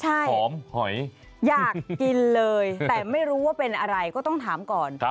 หอมหอยอยากกินเลยแต่ไม่รู้ว่าเป็นอะไรก็ต้องถามก่อน